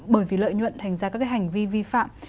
bởi vì lợi nhuận thành ra các cái hành vi vi phạm